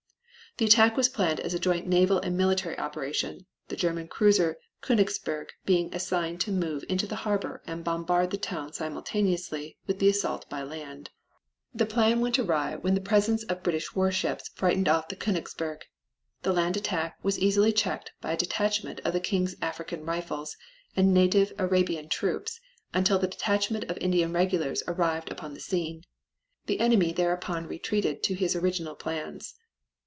The attack was planned as a joint naval and military operation, the German cruiser Koenigsburg being assigned to move into the harbor and bombard the town simultaneously with the assault by land. The plan went awry when the presence of British warships frightened off the Koenigsburg. The land attack was easily checked by a detachment of the King's African Rifles and native Arabian troops until the detachments of Indian Regulars arrived upon the scene. The enemy thereupon retreated to his original plans.